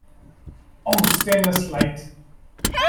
O stainless light!